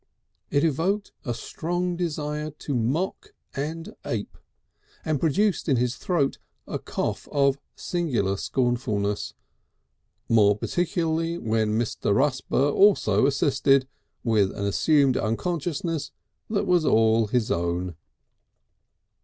It evoked a strong desire to mock and ape, and produced in his throat a cough of singular scornfulness, more particularly when Mr. Rusper also assisted, with an assumed unconsciousness that was all his own.